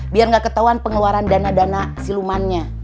biar gak ketauan pengeluaran dana dana silumannya